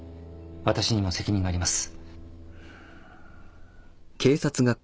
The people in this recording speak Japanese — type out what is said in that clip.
私にも責任があります。